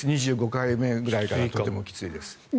２５回目くらいからとてもきついです。